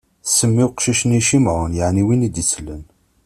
Tsemma i uqcic-nni Cimɛun, yeɛni win i d-isellen.